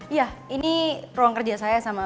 iya ini ruang kerja saya sama